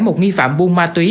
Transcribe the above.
một nghi phạm buôn ma túy